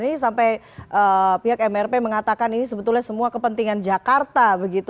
ini sampai pihak mrp mengatakan ini sebetulnya semua kepentingan jakarta begitu